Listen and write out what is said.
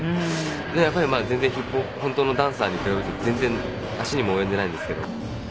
やっぱり全然ヒップホップ本当のダンサーに比べると全然足にも及んでないんですけど。